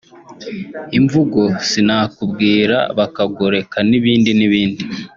imvugo sinakubwira bakagoreka n’ibindi n’ibindi